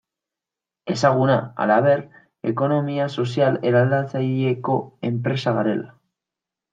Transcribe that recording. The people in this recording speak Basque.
Ezaguna, halaber, ekonomia sozial eraldatzaileko enpresa garela.